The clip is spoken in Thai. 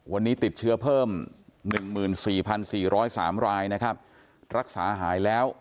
วันนี้ติดเชื้อเพิ่ม๑๔๔๐๓รายนะครับรักษาหายแล้ว